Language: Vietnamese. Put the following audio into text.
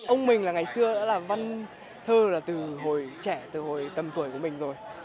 ông mình là ngày xưa đã là văn thơ là từ hồi trẻ từ hồi tầm tuổi của mình rồi